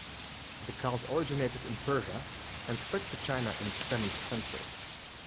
The cult originated in Persia and spread to China in the seventh century.